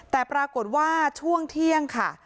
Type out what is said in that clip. แต่ปรากฏว่าช่วงเที่ยงค่ะ